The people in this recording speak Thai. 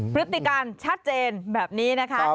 พฤติการชัดเจนแบบนี้นะคะ